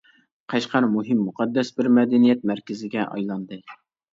قەشقەر مۇھىم مۇقەددەس بىر مەدەنىيەت مەركىزىگە ئايلاندى.